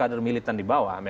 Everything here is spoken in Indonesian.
kadar militan di bawah